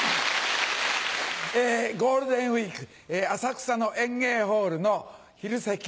ゴールデンウイーク浅草の演芸ホールの昼席